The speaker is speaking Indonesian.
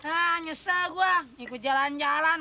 ah nyesa gue ikut jalan jalan